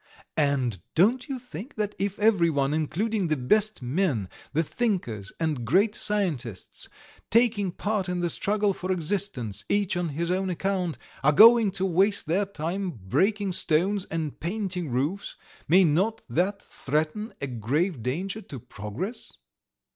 "And don't you think that if everyone, including the best men, the thinkers and great scientists, taking part in the struggle for existence, each on his own account, are going to waste their time breaking stones and painting roofs, may not that threaten a grave danger to progress?"